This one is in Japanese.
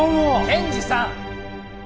検事さん！